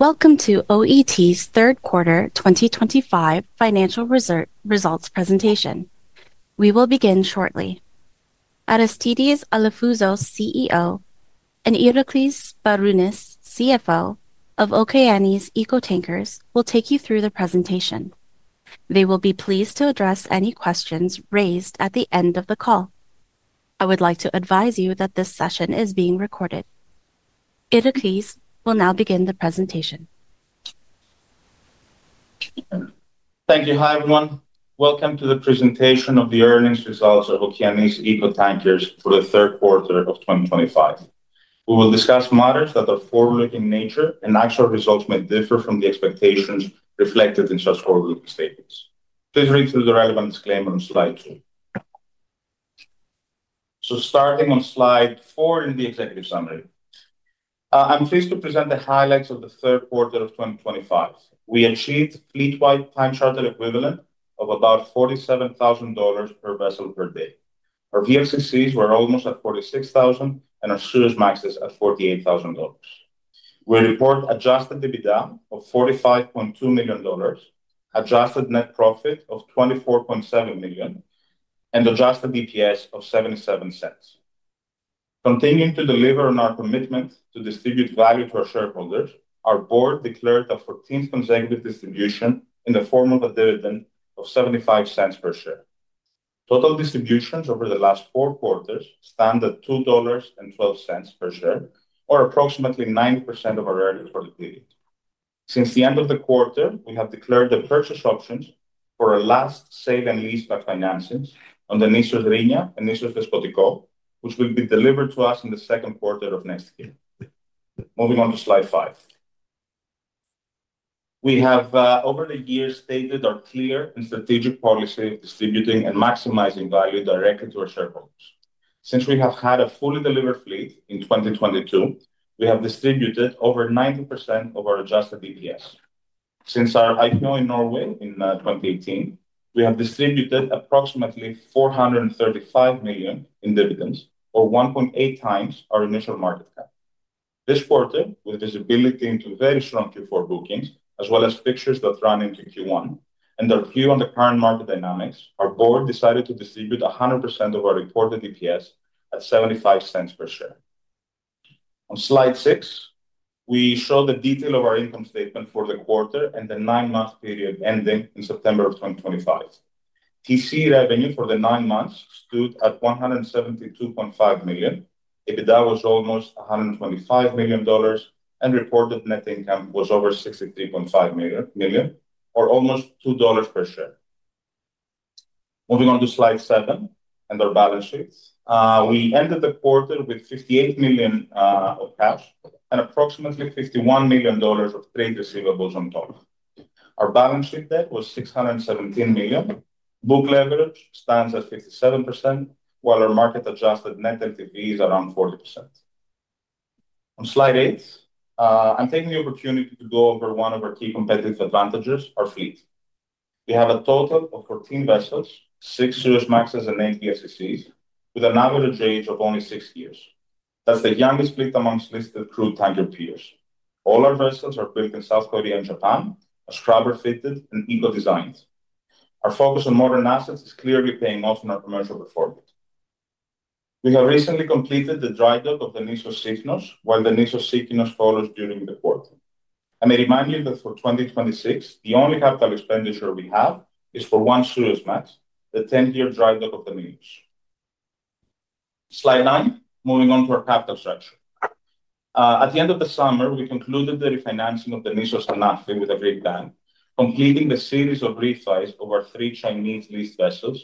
Welcome to OET's third quarter 2025 financial results presentation. We will begin shortly. Aristidis Alafouzos, CEO, and Iraklis Sbarounis, CFO of Okeanis Eco Tankers, will take you through the presentation. They will be pleased to address any questions raised at the end of the call. I would like to advise you that this session is being recorded. Iraklis will now begin the presentation. Thank you. Hi, everyone. Welcome to the presentation of the earnings results of Okeanis Eco Tankers for the third quarter of 2025. We will discuss matters that are forward-looking in nature, and actual results may differ from the expectations reflected in such forward-looking statements. Please read through the relevant disclaimer on slide two. Starting on slide four in the executive summary, I'm pleased to present the highlights of the third quarter of 2025. We achieved fleet-wide time charter equivalent of about $47,000 per vessel per day. Our VLCCs were almost at $46,000, and our Suezmaxes at $48,000. We report Adjusted EBITDA of $45.2 million, adjusted net profit of $24.7 million, and Adjusted EPS of $0.77. Continuing to deliver on our commitment to distribute value to our shareholders, our board declared a 14th consecutive distribution in the form of a dividend of $0.75 per share. Total distributions over the last four quarters stand at $2.12 per share, or approximately 90% of our earnings for the period. Since the end of the quarter, we have declared the purchase options for our last sale-and-lease-like financings on the Nisos Riña and Nisos Despotikou, which will be delivered to us in the second quarter of next year. Moving on to slide five. We have, over the years, stated our clear and strategic policy of distributing and maximizing value directly to our shareholders. Since we have had a fully delivered fleet in 2022, we have distributed over 90% of our Adjusted EPS. Since our IPO in Norway in 2018, we have distributed approximately $435 million in dividends, or 1.8x our initial market cap. This quarter, with visibility into very strong Q4 bookings, as well as fixtures that run into Q1, and our view on the current market dynamics, our board decided to distribute 100% of our reported EPS at $0.75 per share. On slide six, we show the detail of our income statement for the quarter and the nine-month period ending in September of 2025. TC revenue for the nine months stood at $172.5 million. EBITDA was almost $125 million, and reported net income was over $63.5 million, or almost $2 per share. Moving on to slide seven and our balance sheets, we ended the quarter with $58 million of cash and approximately $51 million of trade receivables on top. Our balance sheet debt was $617 million. Book leverage stands at 57%, while our market-adjusted net LTV is around 40%. On slide eight, I'm taking the opportunity to go over one of our key competitive advantages, our fleet. We have a total of 14 vessels, six Suezmaxes, and eight VLCCs, with an average age of only six years. That's the youngest fleet amongst listed crude tanker peers. All our vessels are built in South Korea and Japan, are scrubber-fitted and eco-designed. Our focus on modern assets is clearly paying off in our commercial performance. We have recently completed the dry dock of the Nisos Sigros, while the Nisos Sigros follows during the quarter. I may remind you that for 2026, the only capital expenditure we have is for one Suezmax, the 10-year dry dock of the Nisos. Slide nine, moving on to our capital structure. At the end of the summer, we concluded the refinancing of the Nisos Hanafi with a rebound, completing the series of refis of our three Chinese leased vessels,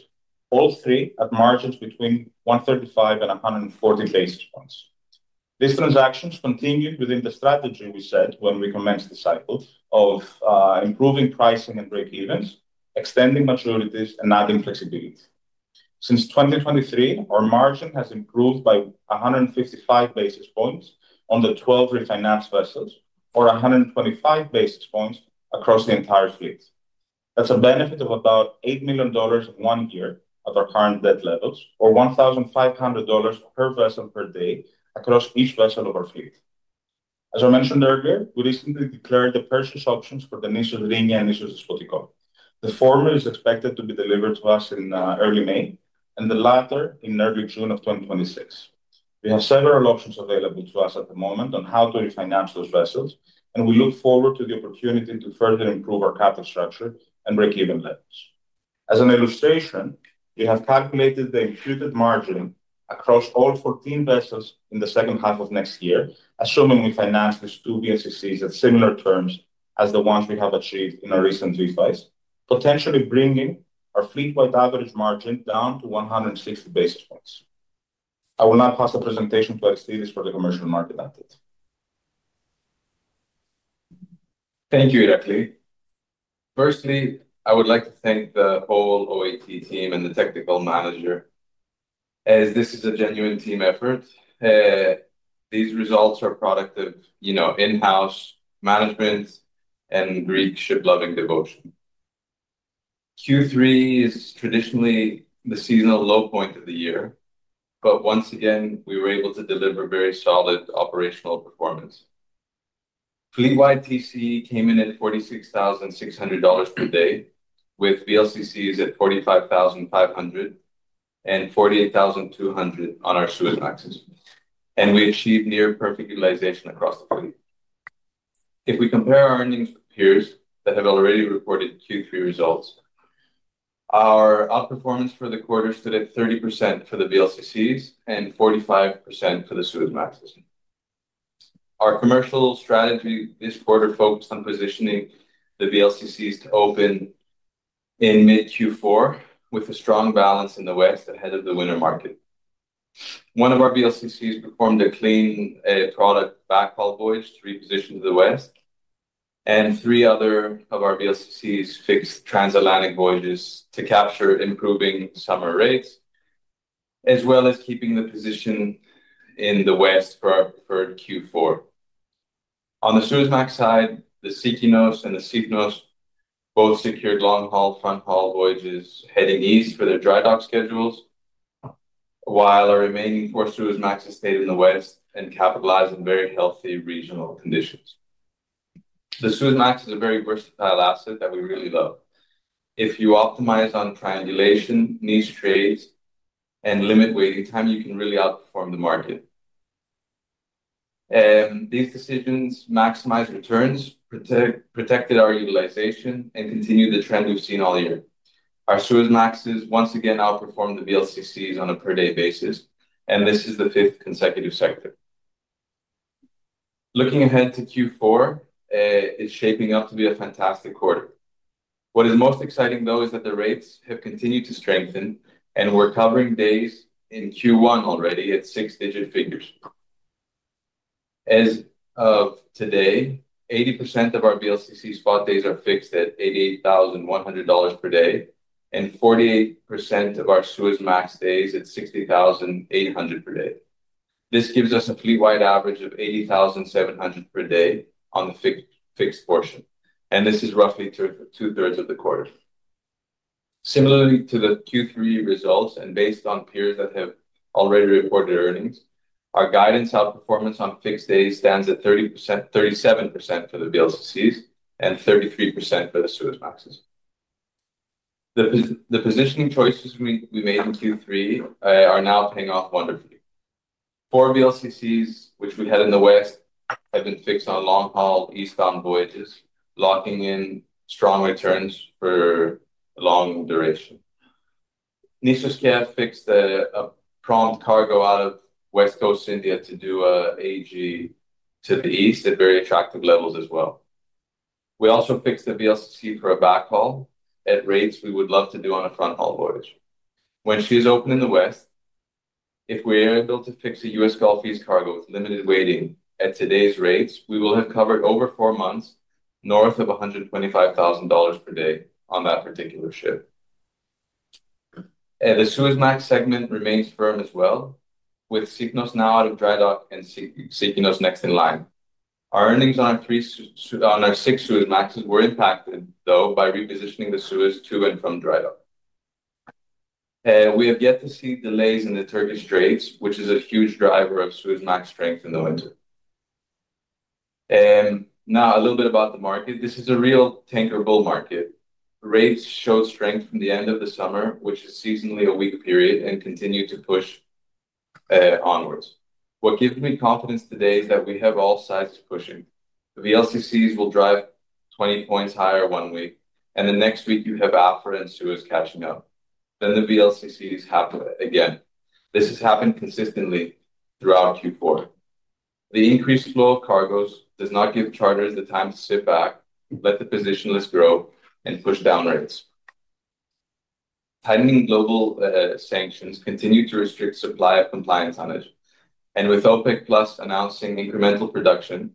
all three at margins between 135 and 140 basis points. These transactions continued within the strategy we set when we commenced the cycle of improving pricing and breakevens, extending maturities, and adding flexibility. Since 2023, our margin has improved by 155 basis points on the 12 refinanced vessels, or 125 basis points across the entire fleet. That's a benefit of about $8 million of one year at our current debt levels, or $1,500 per vessel per day across each vessel of our fleet. As I mentioned earlier, we recently declared the purchase options for the Nisos Riña and Nisos Despotikou. The former is expected to be delivered to us in early May, and the latter in early June of 2026. We have several options available to us at the moment on how to refinance those vessels, and we look forward to the opportunity to further improve our capital structure and breakeven levels. As an illustration, we have calculated the imputed margin across all 14 vessels in the second half of next year, assuming we finance these two VLCCs at similar terms as the ones we have achieved in our recent refis, potentially bringing our fleet-wide average margin down to 160 basis points. I will now pass the presentation to Aristidis for the commercial market update. Thank you, Iraklis. Firstly, I would like to thank the whole OET team and the technical manager, as this is a genuine team effort. These results are a product of in-house management and Greek ship-loving devotion. Q3 is traditionally the seasonal low point of the year, but once again, we were able to deliver very solid operational performance. Fleet-wide, TC came in at $46,600 per day, with VLCCs at $45,500 and $48,200 on our Suezmaxes, and we achieved near-perfect utilization across the fleet. If we compare our earnings with peers that have already reported Q3 results, our outperformance for the quarter stood at 30% for the VLCCs and 45% for the Suezmaxes. Our commercial strategy this quarter focused on positioning the VLCCs to open in mid-Q4 with a strong balance in the west ahead of the winter market. One of our VLCCs performed a clean product backhaul voyage to reposition to the west, and three other of our VLCCs fixed transatlantic voyages to capture improving summer rates, as well as keeping the position in the west for our preferred Q4. On the Suezmax side, the Sigros and the Sigros both secured long-haul/front-haul voyages heading east for their dry dock schedules, while our remaining four Suezmaxes stayed in the west and capitalized on very healthy regional conditions. The Suezmax is a very versatile asset that we really love. If you optimize on triangulation, niche trades, and limit waiting time, you can really outperform the market. These decisions maximized returns, protected our utilization, and continued the trend we've seen all year. Our Suezmaxes once again outperformed the VLCCs on a per-day basis, and this is the fifth consecutive sector. Looking ahead to Q4, it's shaping up to be a fantastic quarter. What is most exciting, though, is that the rates have continued to strengthen, and we're covering days in Q1 already at six-digit figures. As of today, 80% of our VLCC spot days are fixed at $88,100 per day, and 48% of our Suezmax days at $60,800 per day. This gives us a fleet-wide average of $80,700 per day on the fixed portion, and this is roughly two-thirds of the quarter. Similarly to the Q3 results and based on peers that have already reported earnings, our guidance outperformance on fixed days stands at 37% for the VLCCs and 33% for the Suezmaxes. The positioning choices we made in Q3 are now paying off wonderfully. Four VLCCs, which we had in the west, have been fixed on long-haul, eastbound voyages, locking in strong returns for a long duration. Nisos Kev fixed a prompt cargo out of West Coast India to do an AG to the east at very attractive levels as well. We also fixed the VLCC for a backhaul at rates we would love to do on a front-haul voyage. When she is open in the west, if we are able to fix a U.S. Gulf East cargo with limited waiting at today's rates, we will have covered over four months north of $125,000 per day on that particular ship. The Suezmax segment remains firm as well, with Nisos Sigros now out of dry dock and Stig Hognestad next in line. Our earnings on our six Suezmaxes were impacted, though, by repositioning the service to and from dry dock. We have yet to see delays in the Turkish trades, which is a huge driver of Suezmax strength in the winter. Now, a little bit about the market. This is a real tanker bull market. Rates showed strength from the end of the summer, which is seasonally a weak period, and continue to push onwards. What gives me confidence today is that we have all sides pushing. The VLCCs will drive 20 points higher one week, and the next week you have Afra and Suezmaxes catching up. Then the VLCCs happen again. This has happened consistently throughout Q4. The increased flow of cargoes does not give charters the time to sit back, let the position list grow, and push down rates. Tightening global sanctions continue to restrict supply of compliant tonnage. With OPEC+ announcing incremental production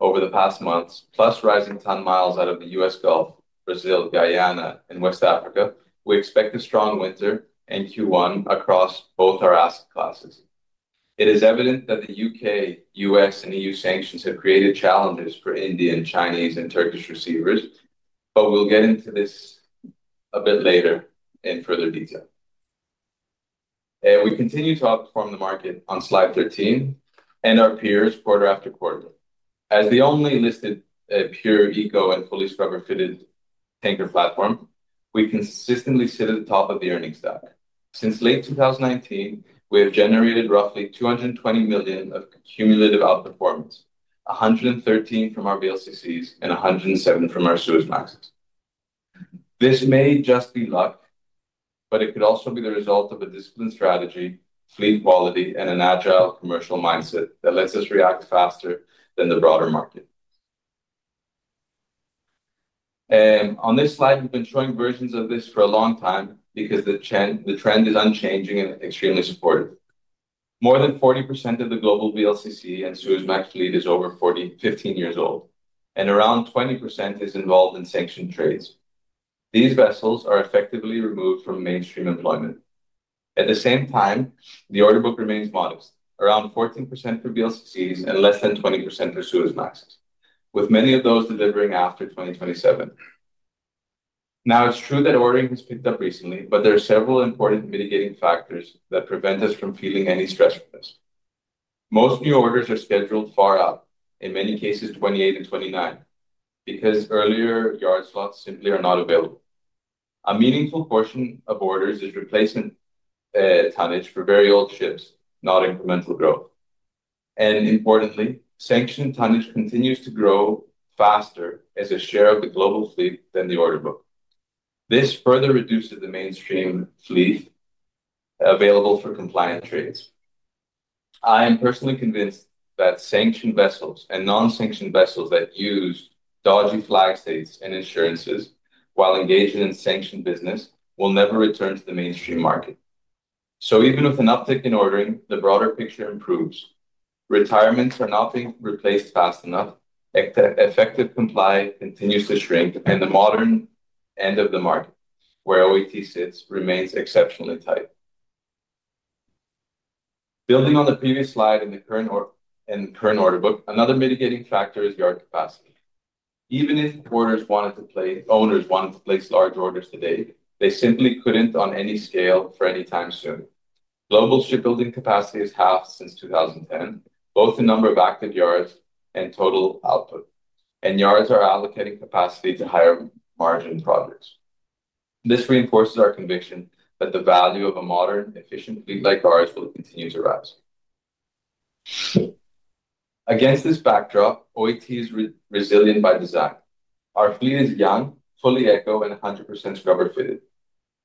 over the past months, plus rising ton miles out of the U.S. Gulf, Brazil, Guyana, and West Africa, we expect a strong winter and Q1 across both our asset classes. It is evident that the U.K., U.S., and E.U. sanctions have created challenges for Indian, Chinese, and Turkish receivers, but we'll get into this a bit later in further detail. We continue to outperform the market on slide 13 and our peers quarter after quarter. As the only listed pure eco and fully scrubber-fitted tanker platform, we consistently sit at the top of the earnings stack. Since late 2019, we have generated roughly $220 million of cumulative outperformance, $113 million from our VLCCs and $107 million from our Suezmaxes. This may just be luck, but it could also be the result of a disciplined strategy, fleet quality, and an agile commercial mindset that lets us react faster than the broader market. On this slide, we've been showing versions of this for a long time because the trend is unchanging and extremely supportive. More than 40% of the global VLCC and Suezmax fleet is over 15 years old, and around 20% is involved in sanctioned trades. These vessels are effectively removed from mainstream employment. At the same time, the order book remains modest, around 14% for VLCCs and less than 20% for Suezmaxes, with many of those delivering after 2027. Now, it's true that ordering has picked up recently, but there are several important mitigating factors that prevent us from feeling any stress with this. Most new orders are scheduled far out, in many cases 2028 and 2029, because earlier yard slots simply are not available. A meaningful portion of orders is replacement tonnage for very old ships, not incremental growth. Importantly, sanctioned tonnage continues to grow faster as a share of the global fleet than the order book. This further reduces the mainstream fleet available for compliant trades. I am personally convinced that sanctioned vessels and non-sanctioned vessels that use dodgy flag states and insurances while engaging in sanctioned business will never return to the mainstream market. Even with an uptick in ordering, the broader picture improves. Retirements are not being replaced fast enough. Effective comply continues to shrink, and the modern end of the market, where OET sits, remains exceptionally tight. Building on the previous slide and the current order book, another mitigating factor is yard capacity. Even if owners wanted to place large orders today, they simply could not on any scale for any time soon. Global shipbuilding capacity has halved since 2010, both in number of active yards and total output, and yards are allocating capacity to higher margin projects. This reinforces our conviction that the value of a modern, efficient fleet like ours will continue to rise. Against this backdrop, OET is resilient by design. Our fleet is young, fully Eco, and 100% scrubber-fitted,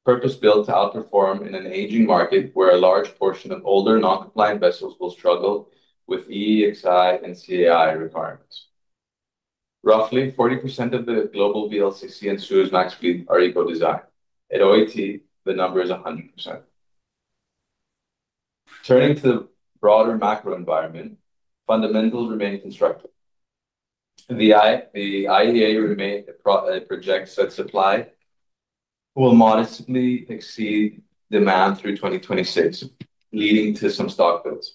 purpose-built to outperform in an aging market where a large portion of older non-compliant vessels will struggle with EEXI and CAI requirements. Roughly 40% of the global VLCC and Suezmax fleet are eco-design. At OET, the number is 100%. Turning to the broader macro environment, fundamentals remain constructive. The IEA projects that supply will modestly exceed demand through 2026, leading to some stockpiles.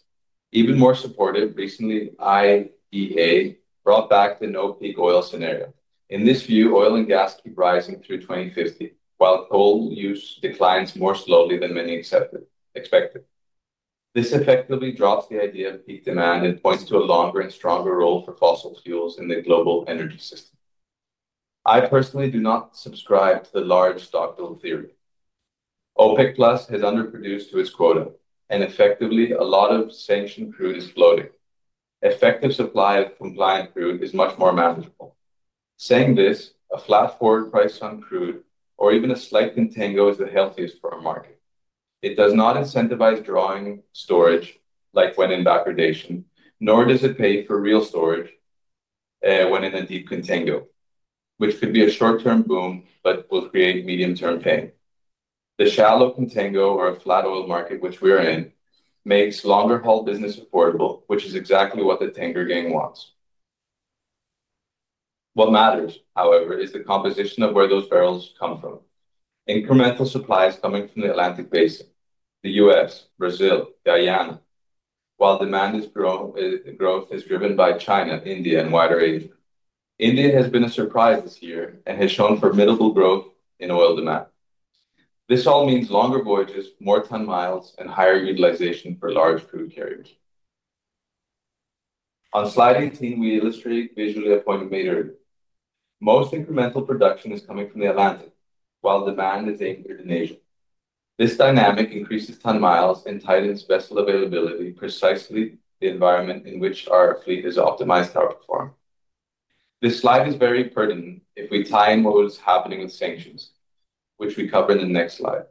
Even more supportive, recently, IEA brought back the no peak oil scenario. In this view, oil and gas keep rising through 2050, while coal use declines more slowly than many expected. This effectively drops the idea of peak demand and points to a longer and stronger role for fossil fuels in the global energy system. I personally do not subscribe to the large stockpile theory. OPEC+ has underproduced to its quota, and effectively, a lot of sanctioned crude is floating. Effective supply of compliant crude is much more manageable. Saying this, a flat forward price on crude, or even a slight contango, is the healthiest for our market. It does not incentivize drawing storage like when in backwardation, nor does it pay for real storage when in a deep contango, which could be a short-term boom but will create medium-term pain. The shallow contango or a flat oil market, which we are in, makes longer-haul business affordable, which is exactly what the tanker gang wants. What matters, however, is the composition of where those barrels come from. Incremental supply is coming from the Atlantic Basin, the U.S., Brazil, Guyana, while demand growth is driven by China, India, and wider Asia. India has been a surprise this year and has shown formidable growth in oil demand. This all means longer voyages, more ton miles, and higher utilization for large crude carriers. On slide 18, we illustrate visually a point of metering. Most incremental production is coming from the Atlantic, while demand is anchored in Asia. This dynamic increases ton miles and tightens vessel availability, precisely the environment in which our fleet is optimized to outperform. This slide is very pertinent if we tie in what was happening with sanctions, which we cover in the next slide.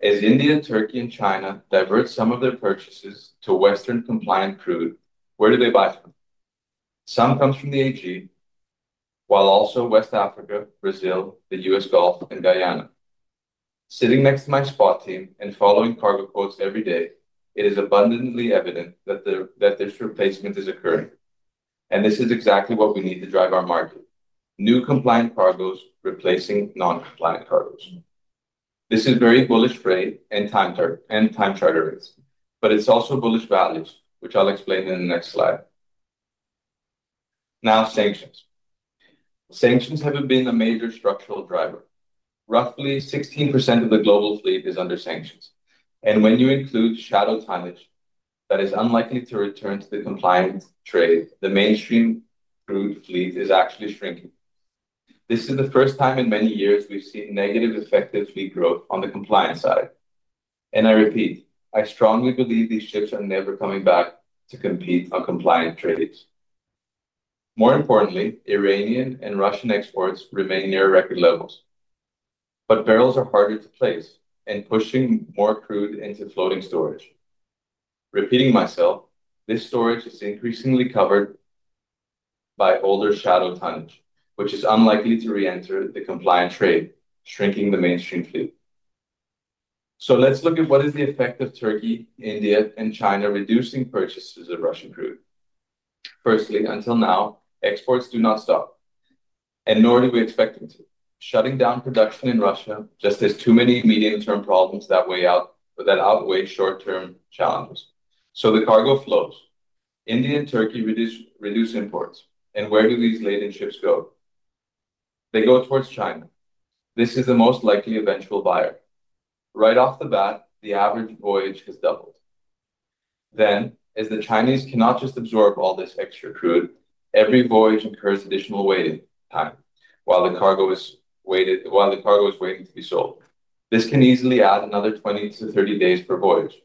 As India, Turkey, and China divert some of their purchases to Western compliant crude, where do they buy from? Some comes from the Arabian Gulf, while also West Africa, Brazil, the U.S. Gulf, and Guyana. Sitting next to my spot team and following cargo quotes every day, it is abundantly evident that this replacement is occurring, and this is exactly what we need to drive our market: new compliant cargos replacing non-compliant cargos. This is very bullish rate and time charter rates, but it's also bullish values, which I'll explain in the next slide. Now, sanctions. Sanctions have been a major structural driver. Roughly 16% of the global fleet is under sanctions. When you include shadow tonnage that is unlikely to return to the compliant trade, the mainstream crude fleet is actually shrinking. This is the first time in many years we've seen negative effective fleet growth on the compliant side. I repeat, I strongly believe these ships are never coming back to compete on compliant trades. More importantly, Iranian and Russian exports remain near record levels, but barrels are harder to place and pushing more crude into floating storage. Repeating myself, this storage is increasingly covered by older shadow tonnage, which is unlikely to re-enter the compliant trade, shrinking the mainstream fleet. Let's look at what is the effect of Turkey, India, and China reducing purchases of Russian crude. Firstly, until now, exports do not stop, and nor do we expect them to. Shutting down production in Russia just has too many medium-term problems that outweigh short-term challenges. The cargo flows. India and Turkey reduce imports. And where do these laden ships go? They go towards China. This is the most likely eventual buyer. Right off the bat, the average voyage has doubled. As the Chinese cannot just absorb all this extra crude, every voyage incurs additional waiting time while the cargo is waiting to be sold. This can easily add another 20-30 days per voyage.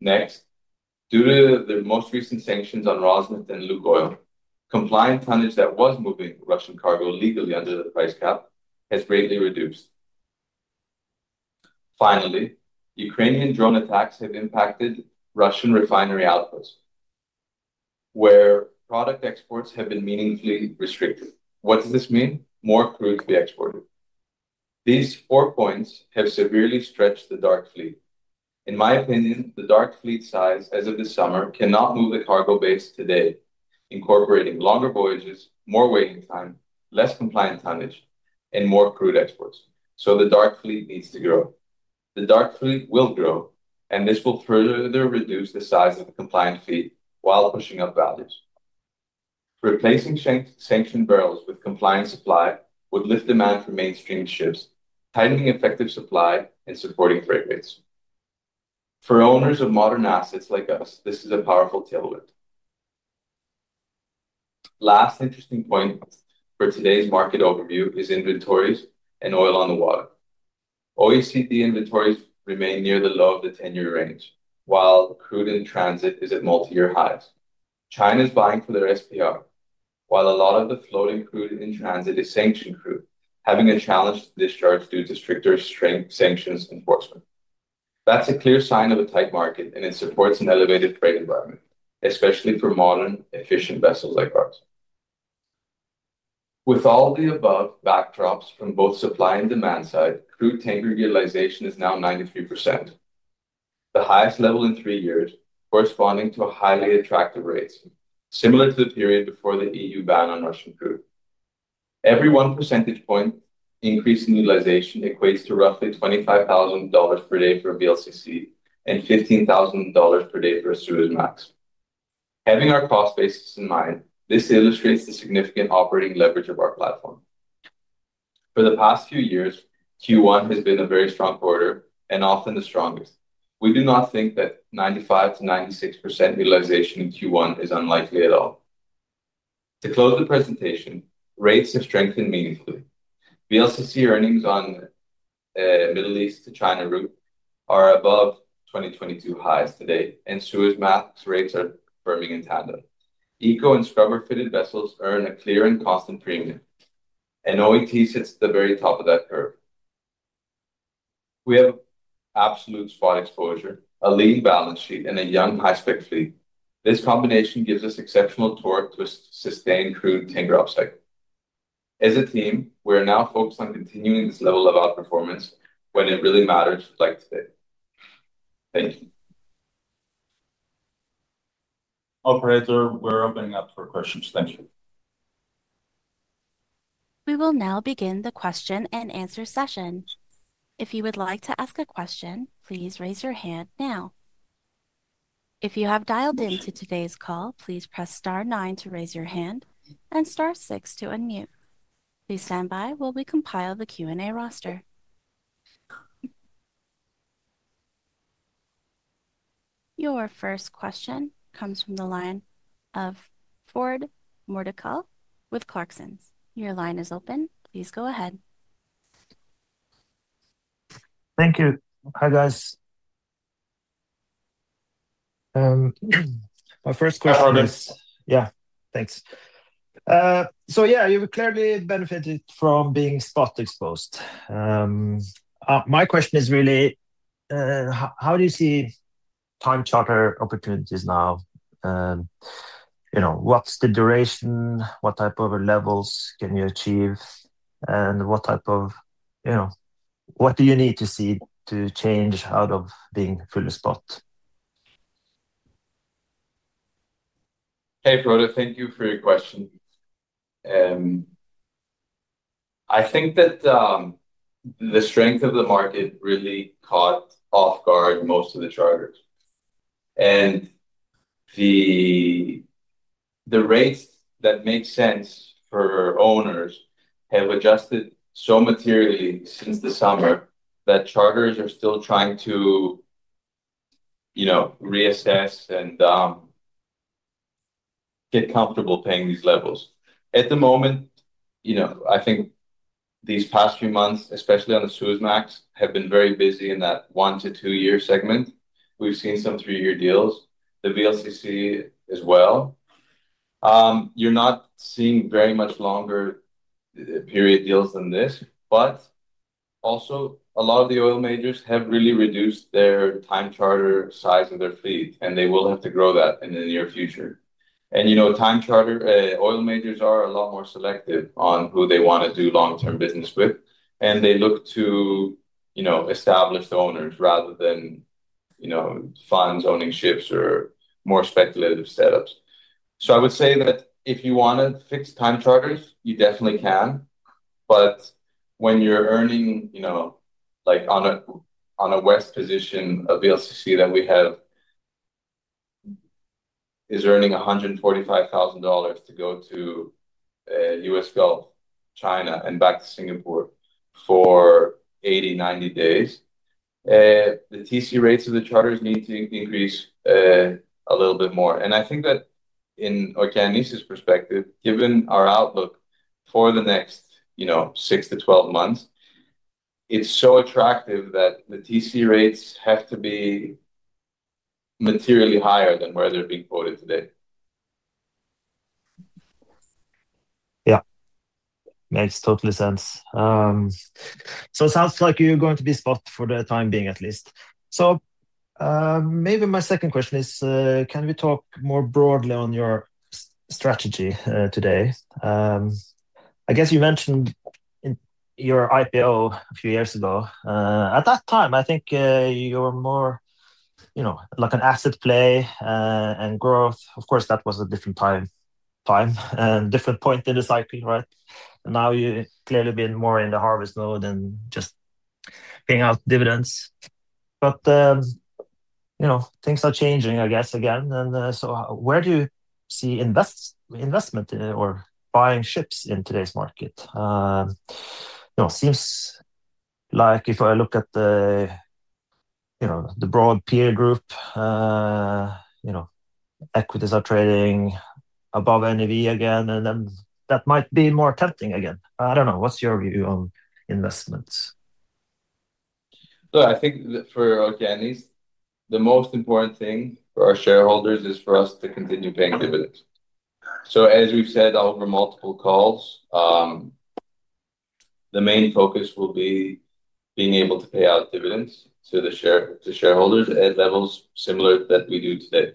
Next, due to the most recent sanctions on Rosneft and Lukoil, compliant tonnage that was moving Russian cargo legally under the price cap has greatly reduced. Finally, Ukrainian drone attacks have impacted Russian refinery outputs, where product exports have been meaningfully restricted. What does this mean? More crude to be exported. These four points have severely stretched the dark fleet. In my opinion, the dark fleet size as of this summer cannot move the cargo base today, incorporating longer voyages, more waiting time, less compliant tonnage, and more crude exports. The dark fleet needs to grow. The dark fleet will grow, and this will further reduce the size of the compliant fleet while pushing up values. Replacing sanctioned barrels with compliant supply would lift demand for mainstream ships, tightening effective supply and supporting freight rates. For owners of modern assets like us, this is a powerful tailwind. Last interesting point for today's market overview is inventories and oil on the water. OECD inventories remain near the low of the 10-year range, while crude in transit is at multi-year highs. China is buying for their SPR, while a lot of the floating crude in transit is sanctioned crude, having a challenge to discharge due to stricter sanctions enforcement. That's a clear sign of a tight market, and it supports an elevated freight environment, especially for modern, efficient vessels like ours. With all the above backdrops from both supply and demand side, crude tanker utilization is now 93%, the highest level in three years, corresponding to highly attractive rates, similar to the period before the E.U. ban on Russian crude. Every one percentage point increase in utilization equates to roughly $25,000 per day for a VLCC and $15,000 per day for a Suezmax. Having our cost basis in mind, this illustrates the significant operating leverage of our platform. For the past few years, Q1 has been a very strong quarter and often the strongest. We do not think that 95%-96% utilization in Q1 is unlikely at all. To close the presentation, rates have strengthened meaningfully. VLCC earnings on the Middle East to China route are above 2022 highs today, and Suezmax rates are firming in tandem. Eco and scrubber-fitted vessels earn a clear and constant premium, and OET sits at the very top of that curve. We have absolute spot exposure, a lean balance sheet, and a young, high-spec fleet. This combination gives us exceptional torque to sustain crude tanker upcycling. As a team, we are now focused on continuing this level of outperformance when it really matters like today. Thank you. Operator, we are opening up for questions. Thank you. We will now begin the question-and-answer session. If you would like to ask a question, please raise your hand now. If you have dialed into today's call, please press star nine to raise your hand and star six to unmute. Please stand by while we compile the Q&A roster. Your first question comes from the line of Frode Mørkedal with Clarksons. Your line is open. Please go ahead. Thank you. Hi, guys. My first question is, yeah, thanks. Yeah, you've clearly benefited from being spot exposed. My question is really, how do you see time charter opportunities now? What's the duration? What type of levels can you achieve? And what type of, you know, what do you need to see to change out of being fully spot? Hey, Frode, thank you for your question. I think that the strength of the market really caught off guard most of the charters. The rates that make sense for owners have adjusted so materially since the summer that charters are still trying to reassess and get comfortable paying these levels. At the moment, I think these past few months, especially on the Suezmax, have been very busy in that one to two-year segment. We've seen some three-year deals. The VLCC as well. You're not seeing very much longer period deals than this. Also, a lot of the oil majors have really reduced their time charter size of their fleet, and they will have to grow that in the near future. Time charter oil majors are a lot more selective on who they want to do long-term business with, and they look to establish owners rather than funds owning ships or more speculative setups. I would say that if you want to fix time charters, you definitely can. When you're earning, like on a west position, a VLCC that we have is earning $145,000 to go to U.S. Gulf, China, and back to Singapore for 80-90 days, the TC rates of the charters need to increase a little bit more. I think that in Okeanis's perspective, given our outlook for the next 6-2 months, it is so attractive that the TC rates have to be materially higher than where they are being quoted today. Yeah. Makes total sense. It sounds like you are going to be spot for the time being at least. Maybe my second question is, can we talk more broadly on your strategy today? I guess you mentioned your IPO a few years ago. At that time, I think you were more like an asset play and growth. Of course, that was a different time and different point in the cycle, right? Now you have clearly been more in the harvest mode and just paying out dividends. Things are changing, I guess, again. Where do you see investment or buying ships in today's market? It seems like if I look at the broad peer group, equities are trading above NAV again, and then that might be more tempting again. I don't know. What's your view on investments? Look, I think for Okeanis, the most important thing for our shareholders is for us to continue paying dividends. As we've said over multiple calls, the main focus will be being able to pay out dividends to the shareholders at levels similar to that we do today.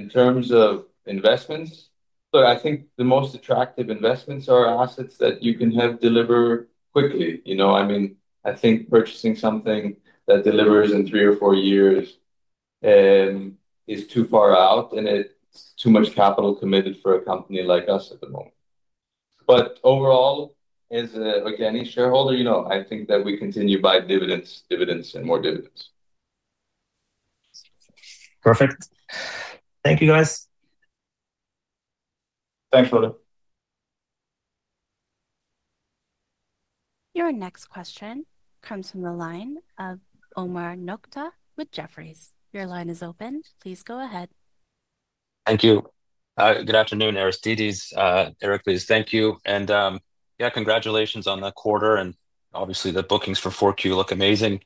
In terms of investments, look, I think the most attractive investments are assets that you can have deliver quickly. I mean, I think purchasing something that delivers in three or four years is too far out, and it's too much capital committed for a company like us at the moment. Overall, as an Okeanis shareholder, I think that we continue to buy dividends, dividends, and more dividends. Perfect. Thank you, guys. Thanks, Frode. Your next question comes from the line of Omar Nokta with Jefferies. Your line is open. Please go ahead.. Thank you. Good afternoon, Aristidis. Iraklis, please thank you. Yeah, congratulations on the quarter, and obviously, the bookings for 4Q look amazing.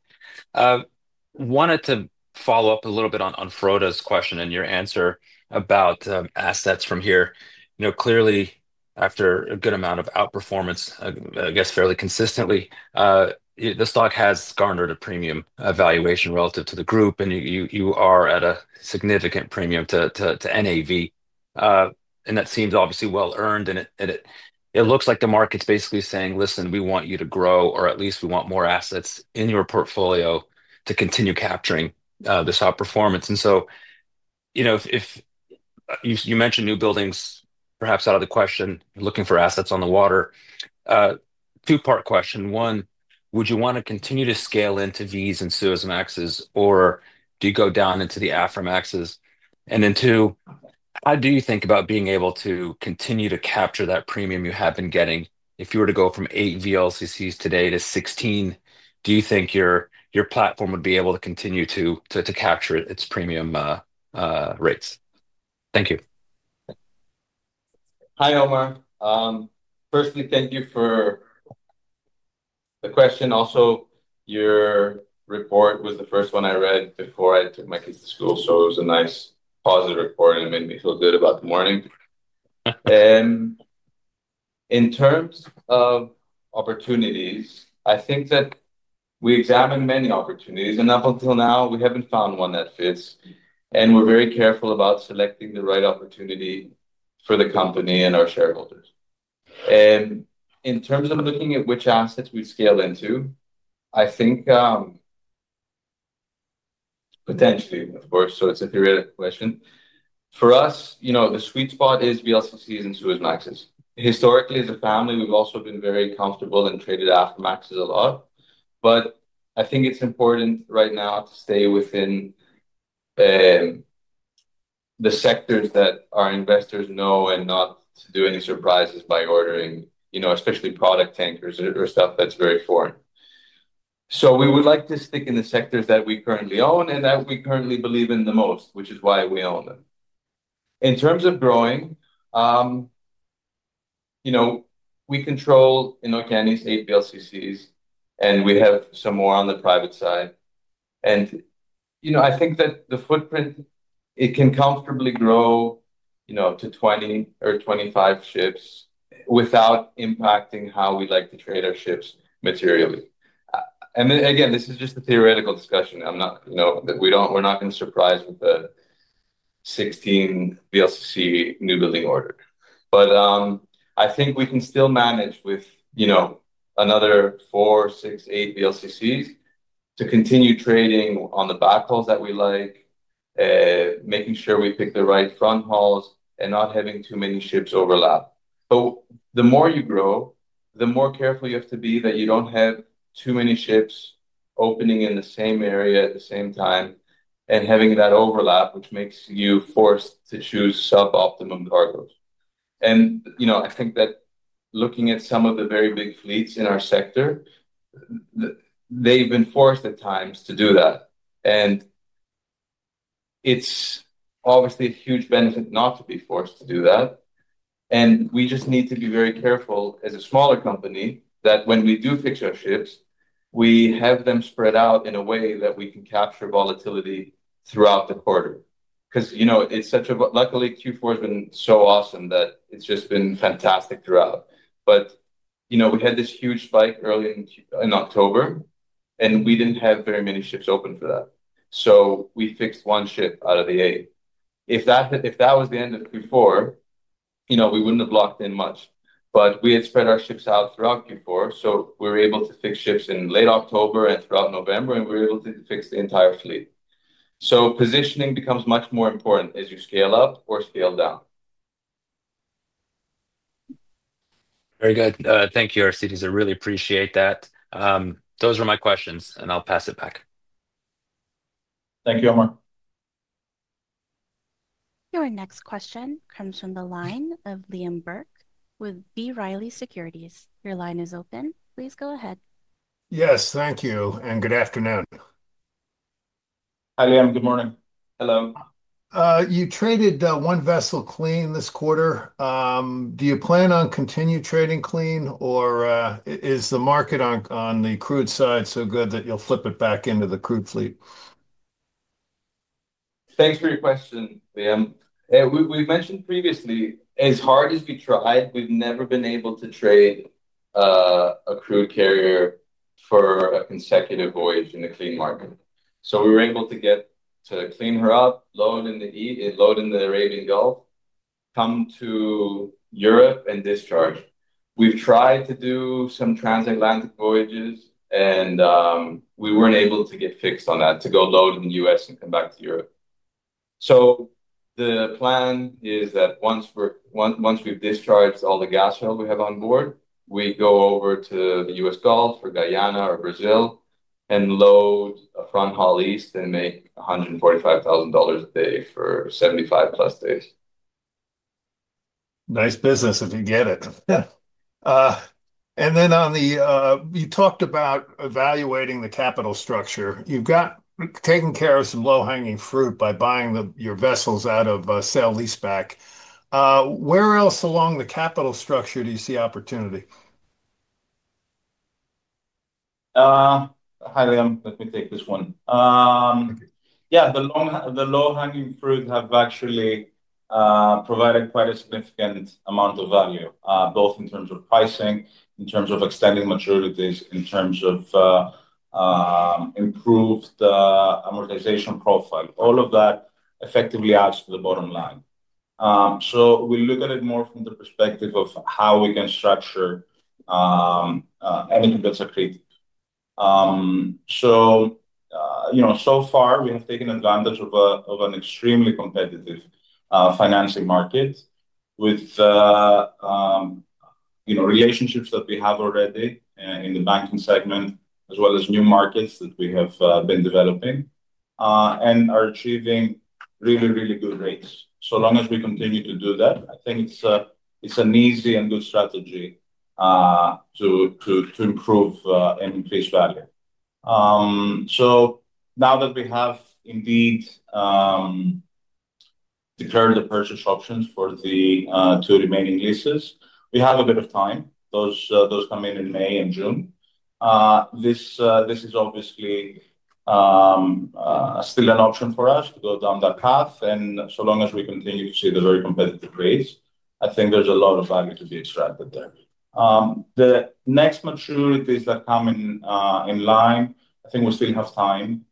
Wanted to follow up a little bit on Froda's question and your answer about assets from here. Clearly, after a good amount of outperformance, I guess fairly consistently, the stock has garnered a premium valuation relative to the group, and you are at a significant premium to NAV. That seems obviously well earned, and it looks like the market's basically saying, "Listen, we want you to grow, or at least we want more assets in your portfolio to continue capturing this outperformance." You mentioned new buildings, perhaps out of the question, looking for assets on the water. Two-part question. One, would you want to continue to scale into VLCCs and Suezmaxes, or do you go down into the Aframaxes? Two, how do you think about being able to continue to capture that premium you have been getting? If you were to go from eight VLCCs today to 16, do you think your platform would be able to continue to capture its premium rates? Thank you. Hi, Omar. Firstly, thank you for the question. Also, your report was the first one I read before I took my kids to school, so it was a nice positive report, and it made me feel good about the morning. In terms of opportunities, I think that we examined many opportunities, and up until now, we have not found one that fits. We are very careful about selecting the right opportunity for the company and our shareholders. In terms of looking at which assets we'd scale into, I think potentially, of course, so it's a theoretical question. For us, the sweet spot is VLCCs and Suezmaxes. Historically, as a family, we've also been very comfortable and traded Aframaxes a lot. I think it's important right now to stay within the sectors that our investors know and not to do any surprises by ordering, especially product tankers or stuff that's very foreign. We would like to stick in the sectors that we currently own and that we currently believe in the most, which is why we own them. In terms of growing, we control in Okeanis eight VLCCs, and we have some more on the private side. I think that the footprint, it can comfortably grow to 20 or 25 ships without impacting how we like to trade our ships materially. Again, this is just a theoretical discussion. We're not going to surprise with the 16 VLCC new building orders. I think we can still manage with another four, six, eight VLCCs to continue trading on the backhauls that we like, making sure we pick the right front hauls and not having too many ships overlap. The more you grow, the more careful you have to be that you don't have too many ships opening in the same area at the same time and having that overlap, which makes you forced to choose sub-optimum cargoes. I think that looking at some of the very big fleets in our sector, they've been forced at times to do that. It's obviously a huge benefit not to be forced to do that. We just need to be very careful as a smaller company that when we do fix our ships, we have them spread out in a way that we can capture volatility throughout the quarter. Because Q4 has been so awesome that it has just been fantastic throughout. We had this huge spike early in October, and we did not have very many ships open for that. We fixed one ship out of the eight. If that was the end of Q4, we would not have locked in much. We had spread our ships out throughout Q4, so we were able to fix ships in late October and throughout November, and we were able to fix the entire fleet. Positioning becomes much more important as you scale up or scale down. Very good. Thank you, Aristidis. I really appreciate that. Those were my questions, and I'll pass it back. Thank you, Omar. Your next question comes from the line of Liam Burke with B. Riley Securities. Your line is open. Please go ahead. Yes, thank you. And good afternoon. Hi, Liam. Good morning. Hello. You traded one vessel clean this quarter. Do you plan on continuing trading clean, or is the market on the crude side so good that you'll flip it back into the crude fleet? Thanks for your question, Liam. We've mentioned previously, as hard as we tried, we've never been able to trade a crude carrier for a consecutive voyage in a clean market. So we were able to get to clean her up, load in the Arabian Gulf, come to Europe, and discharge. We've tried to do some transatlantic voyages, and we weren't able to get fixed on that, to go load in the U.S. and come back to Europe. The plan is that once we've discharged all the gas oil we have on board, we go over to the U.S. Gulf or Guyana or Brazil and load a front haul east and make $145,000 a day for 75+ days. Nice business if you get it. You talked about evaluating the capital structure. You've taken care of some low-hanging fruit by buying your vessels out of Sail Eastpak. Where else along the capital structure do you see opportunity? Hi, Liam. Let me take this one. Yeah, the low-hanging fruit have actually provided quite a significant amount of value, both in terms of pricing, in terms of extending maturities, in terms of improved amortization profile. All of that effectively adds to the bottom line. We look at it more from the perspective of how we can structure anything that's a critic. So far, we have taken advantage of an extremely competitive financing market with relationships that we have already in the banking segment, as well as new markets that we have been developing and are achieving really, really good rates. As long as we continue to do that, I think it's an easy and good strategy to improve and increase value. Now that we have indeed declared the purchase options for the two remaining leases, we have a bit of time. Those come in in May and June. This is obviously still an option for us to go down that path. So long as we continue to see the very competitive rates, I think there is a lot of value to be extracted there. The next maturities that come in line, I think we still have time.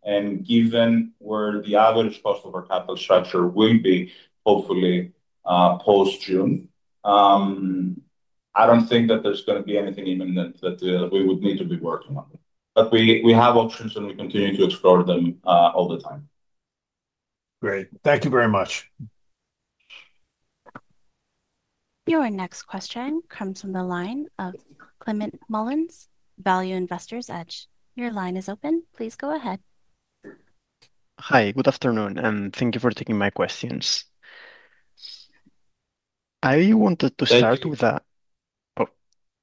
Given where the average cost of our capital structure will be, hopefully, post-June, I do not think that there is going to be anything imminent that we would need to be working on. We have options, and we continue to explore them all the time. Great. Thank you very much. Your next question comes from the line of Climent Molins, Value Investor's Edge. Your line is open. Please go ahead. Hi, good afternoon, and thank you for taking my questions. I wanted to start with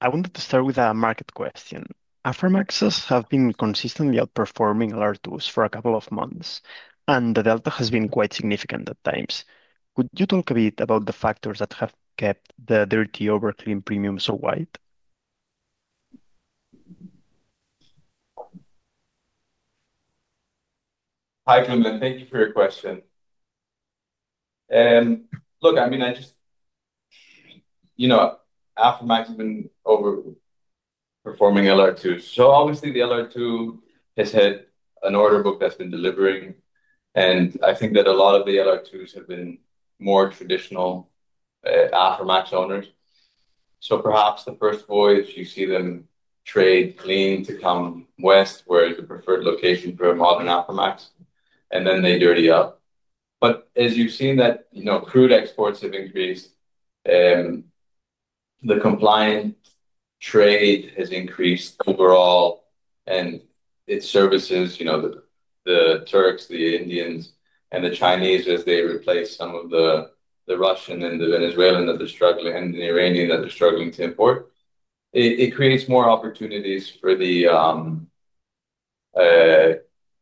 a market question. Aframaxes have been consistently outperforming LR2s for a couple of months, and the delta has been quite significant at times. Could you talk a bit about the factors that have kept the dirty overclean premium so wide? Hi, Climent. Thank you for your question. Look, I mean, Aframax has been overperforming LR2s. Obviously, the LR2 has had an order book that's been delivering. I think that a lot of the LR2s have been more traditional Aframax owners. Perhaps the first voyage, you see them trade clean to come west, whereas the preferred location for a modern Aframax, and then they dirty up. As you've seen, crude exports have increased, the compliant trade has increased overall, and it services the Turks, the Indians, and the Chinese, as they replace some of the Russian and the Venezuelan that they're struggling and the Iranian that they're struggling to import. It creates more opportunities for the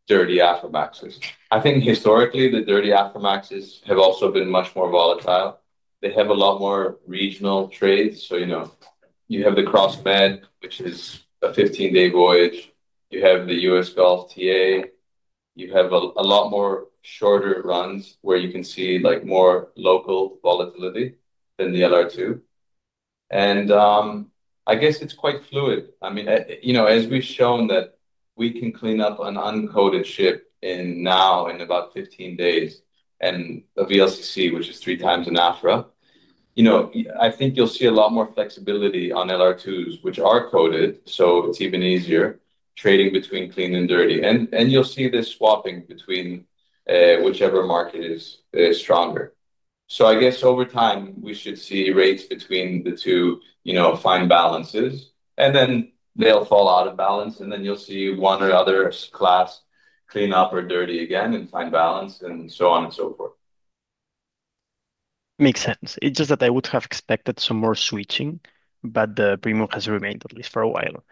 dirty Aframaxes. I think historically, the dirty Aframaxes have also been much more volatile. They have a lot more regional trades. You have the crossfed, which is a 15-day voyage. You have the US Gulf TA. You have a lot more shorter runs where you can see more local volatility than the LR2. I guess it is quite fluid. I mean, as we have shown that we can clean up an uncoated ship now in about 15 days and a VLCC, which is 3x an Afra, I think you will see a lot more flexibility on LR2s, which are coated, so it is even easier trading between clean and dirty. You will see this swapping between whichever market is stronger. I guess over time, we should see rates between the two find balance, and then they'll fall out of balance, and then you'll see one or other class clean up or dirty again and find balance and so on and so forth. Makes sense. It's just that I would have expected some more switching, but the premium has remained at least for a while.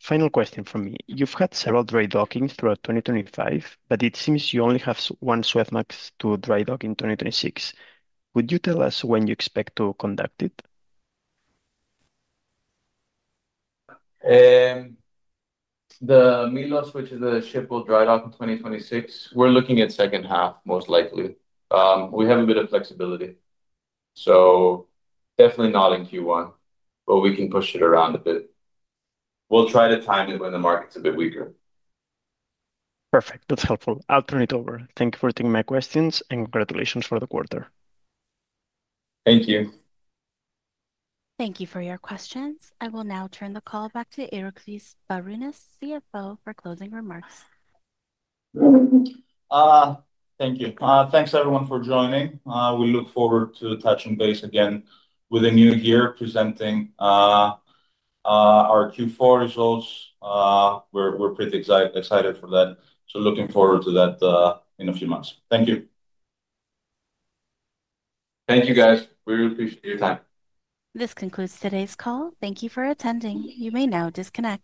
Final question from me. You've had several dry dockings throughout 2025, but it seems you only have one Suezmax to dry dock in 2026. Would you tell us when you expect to conduct it? The Milos, which is the ship we'll dry dock in 2026, we're looking at second half, most likely. We have a bit of flexibility. Definitely not in Q1, but we can push it around a bit. We'll try to time it when the market's a bit weaker. Perfect. That's helpful. I'll turn it over. Thank you for taking my questions and congratulations for the quarter. Thank you. Thank you for your questions. I will now turn the call back to Iraklis Sbarounis, CFO, for closing remarks. Thank you. Thanks, everyone, for joining. We look forward to touching base again with a new year presenting our Q4 results. We're pretty excited for that. Looking forward to that in a few months. Thank you. Thank you, guys. We really appreciate your time. This concludes today's call. Thank you for attending. You may now disconnect.